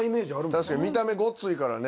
確かに見た目ごっついからね。